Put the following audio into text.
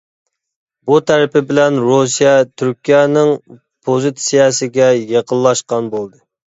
بۇ تەرىپى بىلەن رۇسىيە تۈركىيەنىڭ پوزىتسىيەسىگە يېقىنلاشقان بولدى.